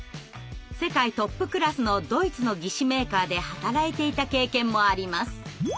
世界トップクラスのドイツの義肢メーカーで働いていた経験もあります。